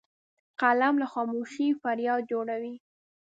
قلم له خاموشۍ فریاد جوړوي